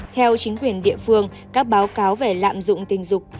theo chính quyền địa phương các báo cáo về lạm dụng tình dục